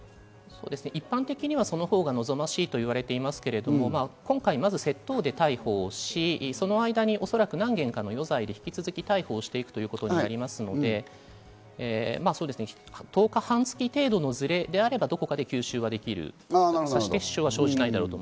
一般的にはその方が望ましいと言われていますけれども、今回、まず窃盗で逮捕し、その間におそらく何件かの余罪で引き続き逮捕していくことになりますので、１０日、半月程度のズレであればどこかで吸収はできる。